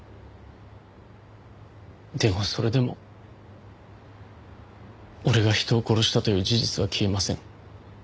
でもそれでも俺が人を殺したという事実は消えません。